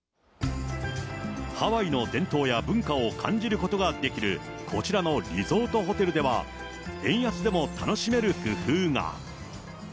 ハワイの伝統や文化を感じることができるこちらのリゾートホテルでは、円安でも楽しめる工夫が。